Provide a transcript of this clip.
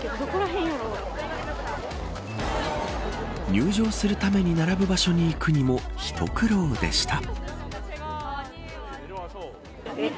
入場するために並ぶ場所に行くにも一苦労でした。